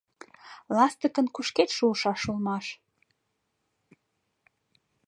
Ластыкын кушкед шуышаш улмаш.